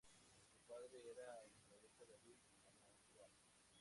Su padre era el poeta David Sanahuja.